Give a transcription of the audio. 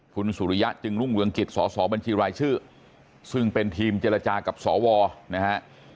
คุณสุริยะจึงรุ่งเรืองกิจสอสอบัญชีรายชื่อซึ่งเป็นทีมเจรจากับสวนะฮะ